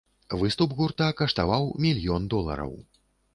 Выступ гурта каштаваў мільён долараў.